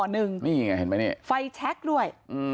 นี่ไงเห็นไหมนี่ไฟแชคด้วย